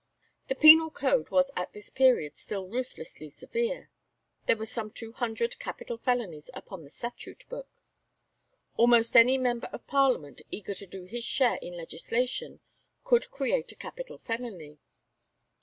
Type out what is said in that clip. The penal code was at this period still ruthlessly severe. There were some two hundred capital felonies upon the statute book. Almost any member of parliament eager to do his share in legislation could "create a capital felony."